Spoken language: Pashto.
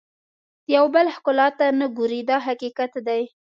د یو بل ښکلا ته نه ګوري دا حقیقت دی.